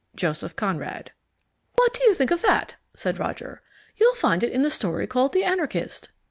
JOSEPH CONRAD. "What do you think of that?" said Roger. "You'll find that in the story called The Anarchist."